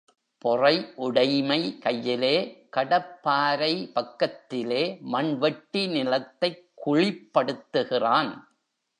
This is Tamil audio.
பொறை உடைமை கையிலே கடப்பாரை பக்கத்திலே மண்வெட்டி நிலத்தைக் குழிப்படுத்துகிறான்.